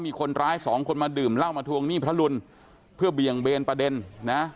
มีคนร้ายสองคนมาดื่มเหล้ามาทวงหนี้พระรุนเพื่อเบี่ยงเบนประเด็นนะ